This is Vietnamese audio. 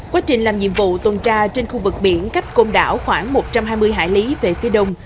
quá trình làm nhiệm vụ tuần tra trên khu vực biển cách công đảo khoảng một trăm hai mươi hải lý về phía đông